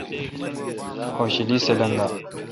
خوشالی سہ لیگا۔